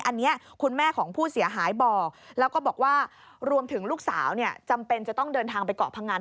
อันนี้คุณแม่ของผู้เสียหายบอกแล้วก็บอกว่ารวมถึงลูกสาวจำเป็นจะต้องเดินทางไปเกาะพงัน